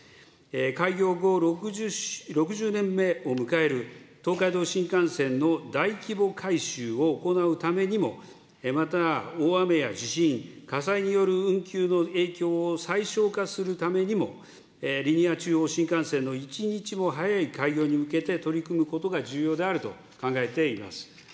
開業後６０年目を迎える東海道新幹線の大規模改修を行うためにも、また、大雨や地震、火災による運休の影響を最小化するためにも、リニア中央新幹線の一日も早い開業に向けて取り組むことが重要であると考えています。